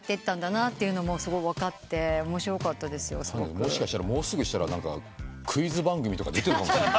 もしかしたらもうすぐしたらクイズ番組とか出てるかもしれない。